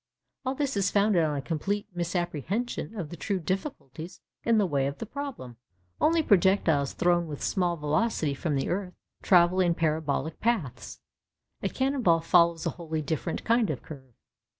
All this is founded on a complete misapprehension of the true difficulties in the way of the problem. Only projectiles thrown with small velocity from the earth travel in parabolic paths. A cannon ball follows a wholly different kind of curve.